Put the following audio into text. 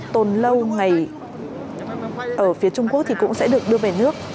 tồn lâu ngày ở phía trung quốc thì cũng sẽ được đưa về nước